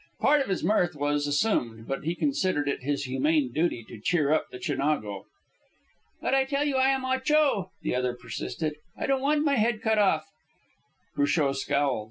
Part of his mirth was assumed, but he considered it his humane duty to cheer up the Chinago. "But I tell you I am Ah Cho," the other persisted. "I don't want my head cut off." Cruchot scowled.